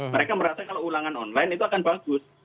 mereka merasa kalau ulangan online itu akan bagus